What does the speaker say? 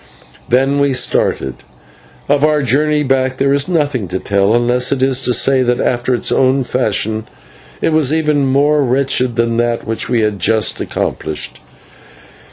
Then we started. Of our journey back there is nothing to tell, unless it be to say that after its own fashion it was even more wretched than that which we had just accomplished.